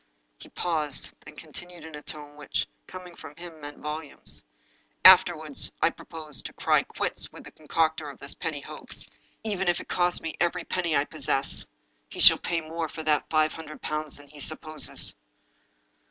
He paused, then continued in a tone which, com ing from him, meant volumes :" Afterwards, I propose to cry quits with the concocter of this pretty little hoax, even 280 The Lost Duchess if it costs me every penny I possess. He shall pay more for that five hundred pounds than he supposes."